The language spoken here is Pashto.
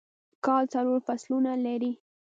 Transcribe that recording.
کال څلور فصلونه لري